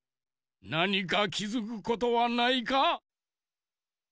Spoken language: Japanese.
なにかきづくことはないか？